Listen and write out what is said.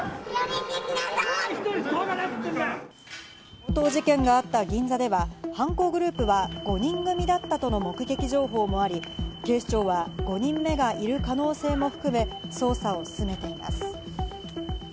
強盗事件があった銀座では、犯行グループは５人組だったとの目撃情報もあり、警視庁は５人目がいる可能性も含め捜査を進めています。